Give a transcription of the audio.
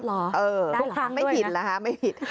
หรอทุกครั้งด้วยนะไม่ผิดเหรอฮะไม่ผิด